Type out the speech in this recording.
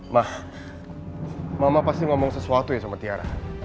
mah mama pasti ngomong sesuatu ya sama tiara